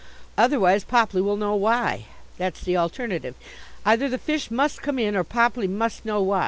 Otherwise Popley will know why. That's the alternative. Either the fish must come in or Popley must know why.